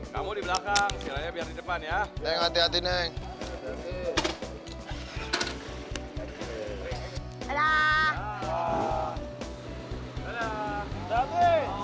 kamu di belakang biar depan ya